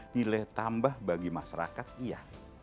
nilai tambah bagi masyarakat iya